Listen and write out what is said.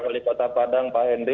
wali kota padang pak henry